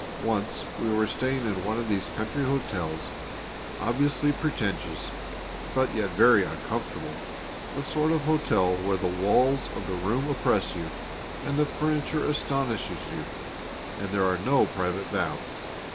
Once we were staying in one of these country hotels obviously pretentious, but very uncomfortable the sort of hotel where the walls of the room oppress you, and the furniture astonishes you, and there are no private baths.